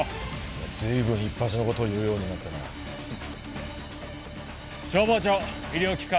ずいぶんいっぱしのことを言うようになったな消防庁医療機関